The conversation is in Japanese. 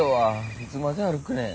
いつまで歩くねん。